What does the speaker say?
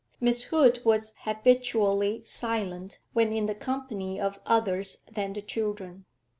Miss Hood was habitually silent when in the company of others than the children.